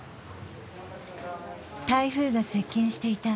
台風が接近していた